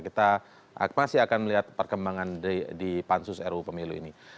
kita masih akan melihat perkembangan di pansus ru pemilu ini